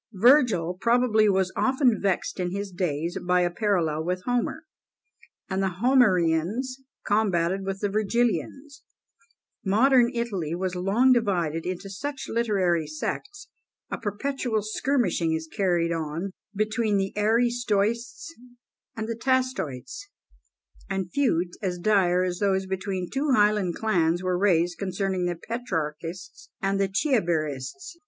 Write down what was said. Virgil probably was often vexed in his days by a parallel with Homer, and the Homerians combated with the Virgilians. Modern Italy was long divided into such literary sects: a perpetual skirmishing is carried on between the Ariostoists and the Tassoists; and feuds as dire as those between two Highland clans were raised concerning the Petrarchists, and the Chiabrerists.